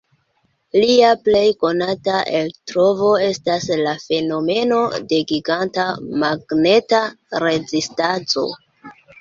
Lia plej konata eltrovo estas la fenomeno de Giganta Magneta Rezistanco.